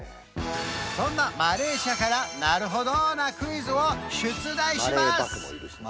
そんなマレーシアからなるほどなクイズを出題します！